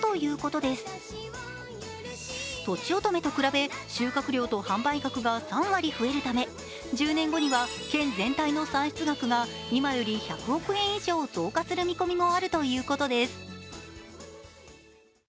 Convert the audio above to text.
とちおとめと比べ、収穫量と販売額が３割増えるため、１０年後には県全体の産出額が今より１００億円以上増加する見込みもあるということです。